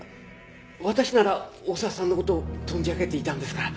私なら大沢さんの事を存じ上げていたんですから。